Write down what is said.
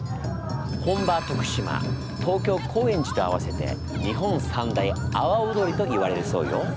本場徳島東京・高円寺と合わせて日本三大阿波踊りといわれるそうよ。